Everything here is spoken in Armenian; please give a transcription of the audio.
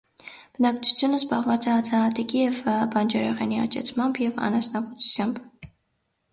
Բնակչությունը զբաղված է հացահատիկի ու բանջարեղենի աճեցմամբ և անասնաբուծությամբ։